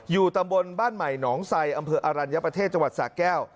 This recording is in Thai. อยู่ตำบลบ้านใหม่หนองไซอำเภออรัญญประเทศจังหวัดสะแก้ว